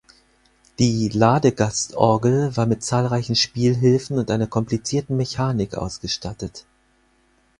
Die "Ladegast-Orgel" war mit zahlreichen Spielhilfen und einer komplizierten Mechanik ausgestattet.